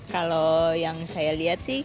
kalau yang saya lihat sih